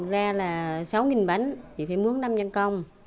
thường ra là sáu bánh chị phải mướn năm nhân công